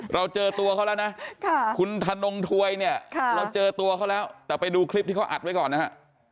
เราเจอตัวเขาแล้วนะคุณธนงถวยเนี่ยเราเจอตัวเขาแล้วแต่ไปดูคลิปที่เขาอัดไว้ก่อนนะฮะ